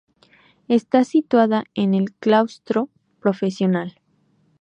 Está situada en el claustro profesional.